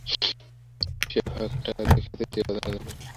সে ফাঁক টাকা দিয়ে, খ্যাতি দিয়ে, বোজানো যায় না।